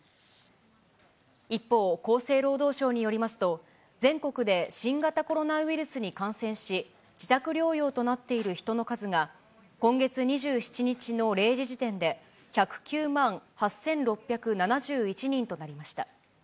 一方、厚生労働省によりますと、全国で新型コロナウイルスに感染し、自宅療養となっている人の数が今月２７日の０時時点で、１０９万８６７１人となりました。